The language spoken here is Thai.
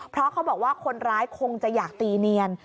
เพราะเขาบอกว่าคนร้ายคงจะอยากตีเนียน